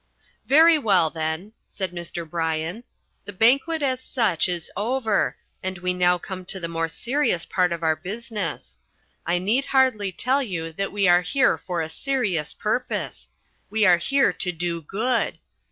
"Very well, then," said Mr. Bryan, "the banquet, as such, is over, and we now come to the more serious part of our business. I need hardly tell you that we are here for a serious purpose. We are here to do good.